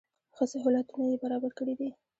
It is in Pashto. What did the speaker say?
ښه سهولتونه یې برابر کړي دي.